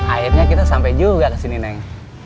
akhirnya kita sampai juga kesini neng